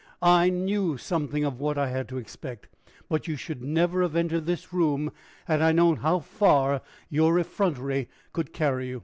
I knew something of what I had to expect, but you should never have entered this room had I known how far your effrontery could carry you.